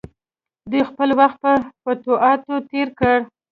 دوی خپل وخت په فتوحاتو تیر کړ.